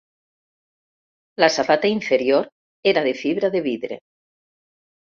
La safata inferior era de fibra de vidre.